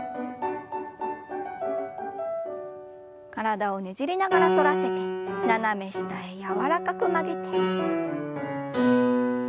体をねじりながら反らせて斜め下へ柔らかく曲げて。